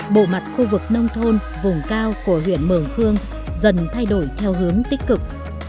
bộ mặt khu vực nông thôn vùng cao của huyện mường khương dần thay đổi theo hướng tích cực